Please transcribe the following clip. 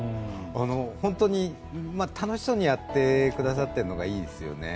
本当に楽しそうにやってくださっているのが、いいですよね。